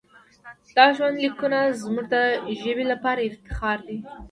دا ژوندلیکونه زموږ د ژبې لپاره افتخار دی.